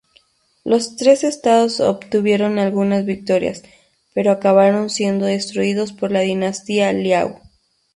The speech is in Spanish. Los tres estados obtuvieron algunas victorias, pero acabaron siendo destruidos por la dinastía Liao.